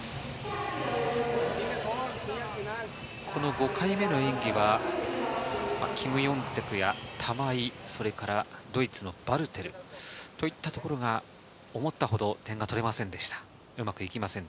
５回目の演技はキム・ヨンテクや玉井、それからドイツのバルテルといったところが思ったほど点が取れませんでした。